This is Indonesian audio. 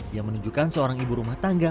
yang menunjukkan seorang ibu rumah tangga